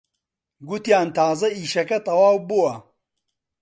گوتیان تازە ئیشەکە تەواو بووە